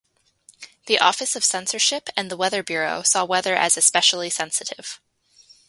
The Office of Censorship and the Weather Bureau saw weather as especially sensitive.